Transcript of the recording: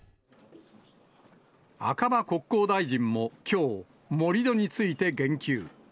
赤羽国交大臣もきょう、盛り土について言及。